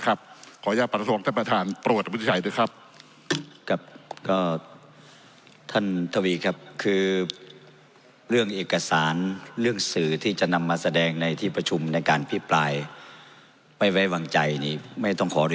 ขออนุญาตประท้อง